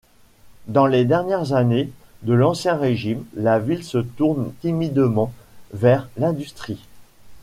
Dans les dernières années de l'Ancien Régime, la ville se tourne timidement vers l'industrie.